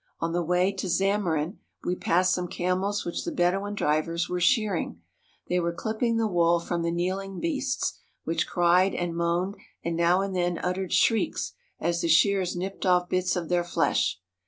On the way to Zammarin we passed some camels which the Bedouin drivers were shearing. They were clipping the wool from the kneeling beasts, which cried and moaned and now and then uttered shrieks as the shears nipped off bits of their flesh.